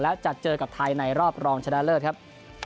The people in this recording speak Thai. และจะเจอกับไทยในรอบรองชนะเลิศครับ